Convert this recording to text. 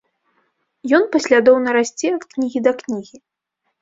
Ён паслядоўна расце ад кнігі да кнігі.